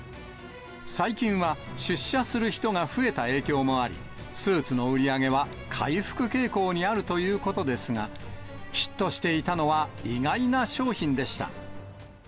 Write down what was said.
最近は出社する人が増えた影響もあり、スーツの売り上げは回復傾向にあるということですが、ヒットしていたのは意外な商品でした。